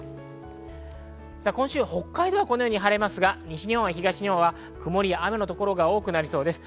今週は北海道は晴れますが、西日本や東日本は曇りや雨のところが多くなりそうです。